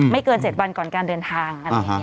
ไม่เกิน๗วันก่อนการเดินทาง